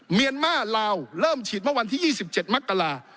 เมียนมาลาวเริ่มฉีดเมื่อวันที่๒๗มกรา